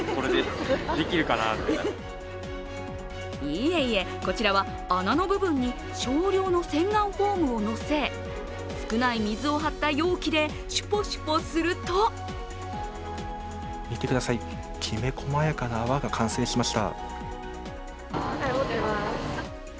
いえいえ、こちらは穴の部分に少量の洗顔フォームをのせ、少ない水を張った容器でシュポシュポすると見てください、きめこまやかな泡が完成しました。